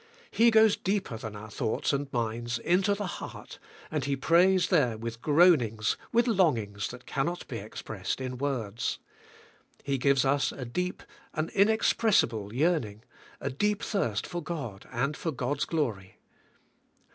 He goes deeper than our thoughts and minds into the heart and He prays there with groanings, with longings that cannot be expressed in words. He gives us a deep, an inexpressible yearning, a deep thirst for God and for God's glory.